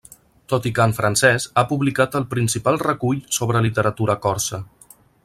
Tot i que en francès, ha publicat el principal recull sobre literatura corsa.